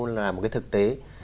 là một cái thực tế